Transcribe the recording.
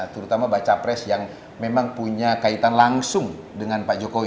terutama baca pres yang memang punya kaitan langsung dengan pak jokowi